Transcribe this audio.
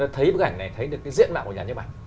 thấy bức ảnh này thấy được cái diễn mạng của nhà nhấp ảnh